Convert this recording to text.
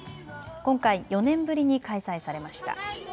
今回、４年ぶりに開催されました。